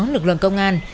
lực lượng công an